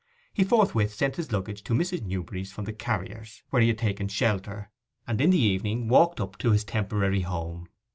He forthwith sent his luggage to Mrs. Newberry's from the carrier's, where he had taken shelter, and in the evening walked up to his temporary home.